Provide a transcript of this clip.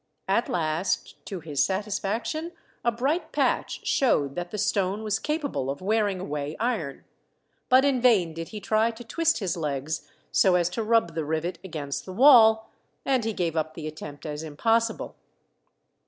At last, to his satisfaction, a bright patch showed that the stone was capable of wearing away iron. But in vain did he try to twist his legs so as to rub the rivet against the wall, and he gave up the attempt as impossible.